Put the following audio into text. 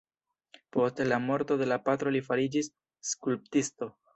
Post la morto de la patro li fariĝis skulptisto.